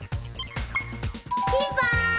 ピンポーン！